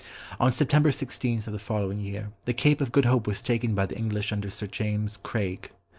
On September 16 of the following year, the Cape of Good Hope was taken by the English under Sir James Craig.